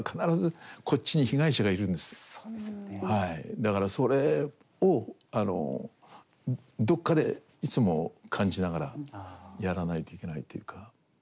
だからそれをどっかでいつも感じながらやらないといけないっていうか。